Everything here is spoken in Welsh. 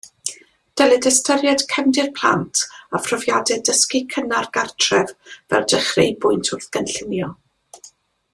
Dylid ystyried cefndir plant a phrofiadau dysgu cynnar gartref fel dechreubwynt wrth gynllunio.